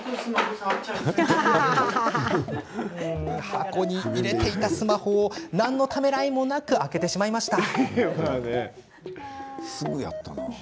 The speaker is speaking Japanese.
箱に入れていたスマホを何のためらいもなく開けてしまいました。